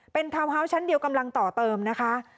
เป็นทาวน์ฮาวส์ชั้นเดียวกำลังต่อเติมนะคะ